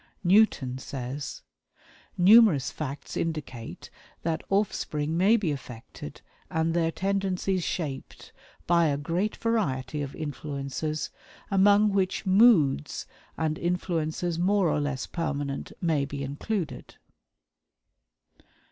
Newton says: "Numerous facts indicate that offspring may be affected and their tendencies shaped by a great variety of influences, among which moods and influences more or less permanent may be included."